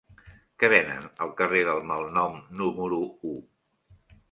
Què venen al carrer del Malnom número u?